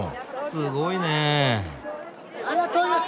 すごいね。